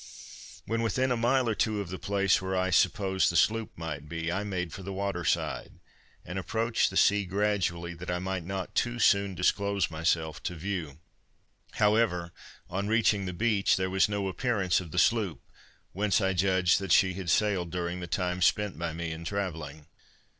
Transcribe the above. When within a mile or two of the place where I supposed the sloop might be, I made for the water side, and approached the sea gradually, that I might not too soon disclose myself to view; however, on reaching the beach, there was no appearance of the sloop, whence I judged that she had sailed during the time spent by me in travelling.